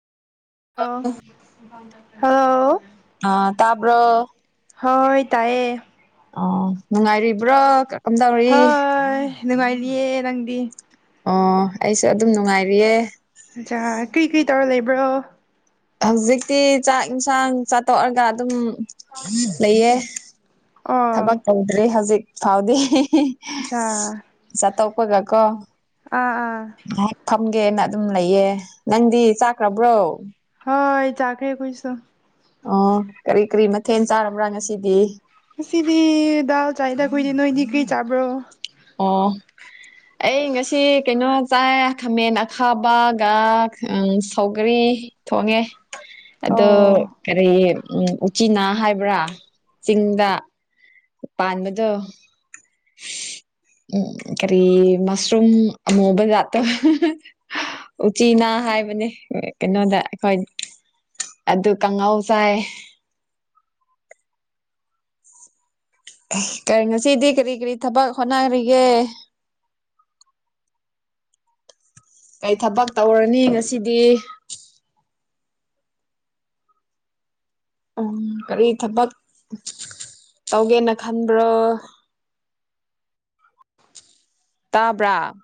ꯑꯥꯎ ꯍꯥꯎ ꯑ ꯇꯥꯕ꯭ꯔꯣ ꯍꯣꯏ ꯇꯥꯏꯌꯦ ꯑꯣ ꯅꯨꯡꯉꯥꯏꯔꯤꯕ꯭ꯔꯣ ꯀꯝꯗꯧꯔꯤ ꯍꯣꯏ ꯅꯨꯡꯉꯥꯏꯔꯤꯌꯦ ꯅꯪꯗꯤ ꯑꯣ ꯑꯩꯁꯨ ꯑꯗꯨꯝ ꯅꯨꯡꯉꯥꯏꯔꯤꯌꯦ ꯑꯆꯥꯥ ꯀꯔꯤ ꯀꯔꯤ ꯇꯧꯔ ꯂꯩꯕ꯭ꯔꯣ ꯍꯧꯖꯤꯛꯇꯤ ꯆꯥꯛ ꯌꯦꯟꯁꯥꯡ ꯆꯥꯊꯣꯛꯑꯒ ꯑꯗꯨꯝ ꯂꯩꯌꯦ ꯑꯣ ꯊꯕꯛ ꯇꯧꯗ꯭ꯔꯤ ꯍꯧꯖꯤꯛ ꯐꯥꯎꯗꯤ ꯑꯆꯥ ꯗꯀꯣ ꯑꯥ ꯑꯥ ꯀꯦꯅ ꯑꯗꯨꯝ ꯂꯩꯌꯦ ꯅꯪꯗꯤ ꯆꯥꯛꯈ꯭ꯔꯕ꯭ꯔꯣ ꯍ ꯆꯥꯛ ꯍꯦ ꯀꯁꯨꯣ ꯑꯣ ꯀꯔꯤ ꯀꯔꯤ ꯃꯊꯦꯜ ꯆꯥꯔꯕ꯭ꯔꯥ ꯉꯁꯤꯗꯤ ꯁꯤꯗꯤ ꯗꯗꯥꯎ ꯆꯥꯗꯥ ꯀꯗꯤ ꯅꯣꯏꯅꯤ ꯀ꯭ꯔꯤ ꯆꯥꯕ꯭ꯔꯣ ꯑꯣꯝ ꯑꯩ ꯉꯁꯤ ꯀꯩꯅꯣ ꯆꯥꯏ ꯈꯥꯃꯦꯟ ꯑꯈꯥꯕꯒ ꯁꯧꯒꯔꯤ ꯑꯩ ꯊꯣꯡꯉꯦ ꯑꯗꯣ ꯑꯣ ꯀꯔꯤ ꯎ ꯎꯆꯤꯅꯥ ꯍꯥꯏꯕ꯭ꯔꯥ ꯆꯤꯡꯗ ꯄꯥꯟ ꯃ ꯎꯝ ꯀꯔꯤ ꯃꯁꯔꯝ ꯃꯣꯕ ꯌꯥꯣ ꯎꯆꯤꯅꯥ ꯍꯥꯏꯕꯅꯦ ꯀꯩꯅꯣꯗ ꯑꯩꯈꯣꯏ ꯑꯗꯨ ꯀꯥꯡꯉꯥꯎ ꯆꯥꯏ ꯑ ꯉꯁꯤꯗꯤ ꯀꯔꯤ ꯀꯔꯤ ꯊꯕꯛ ꯍꯣꯠꯅꯔꯤꯒꯦ ꯑ ꯀꯩ ꯊꯕꯛ ꯇꯧꯔꯅꯤ ꯉꯁꯤꯗꯤ ꯎꯝ ꯀꯔꯤ ꯊꯕꯛ ꯇꯧꯒꯦꯅ ꯈꯟꯕ꯭ꯔꯣ ꯑ ꯇꯥꯕ꯭ꯔꯥ